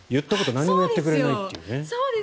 言ったこと何もやってくれないという。